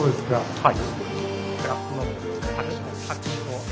はい。